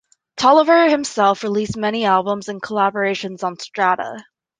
Tolliver himself released many albums and collaborations on Strata.